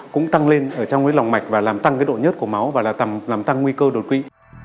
cũng tăng lên trong lòng mạch và làm tăng độ nhất của máu và làm tăng nguy cơ đột quỵ